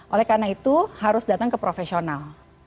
oleh karena itu harus datang ke profesional